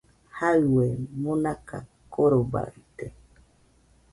Jaiue nomaka korobaite